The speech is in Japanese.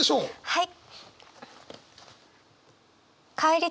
はい！